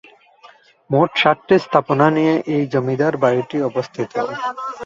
মোট সাতটি স্থাপনা নিয়ে এই জমিদার বাড়িটি অবস্থিত।